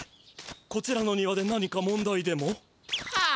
こちらの庭で何か問題でも？はあ